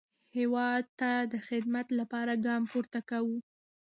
هیواد ته د خدمت لپاره ګام پورته کاوه.